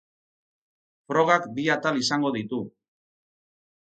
Frogak bi atal izango ditu.